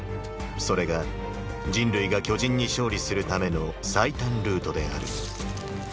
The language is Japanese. それが人類が巨人に勝利するための最短ルートである。